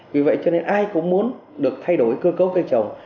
vì vậy cho nên ai cũng muốn được thay đổi cơ cấu cây trồng